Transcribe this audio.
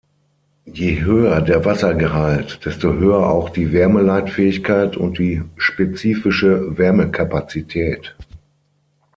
Je höher der Wassergehalt, desto höher auch die Wärmeleitfähigkeit und die Spezifische Wärmekapazität.